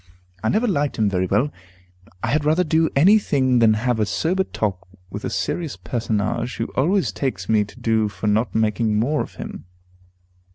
I never liked him very well; I had rather do any thing than have a sober talk with a serious personage, who always takes me to do for not making more of him.